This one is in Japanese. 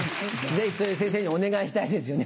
ぜひそれ先生にお願いしたいですよね。